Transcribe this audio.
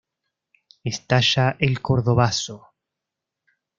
Estalla el Cordobazo.